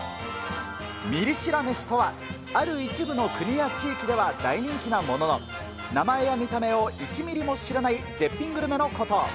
ミリ知ら飯とは、ある一部の国や地域では大人気なものの、名前や見た目を１ミリも知らない絶品グルメのこと。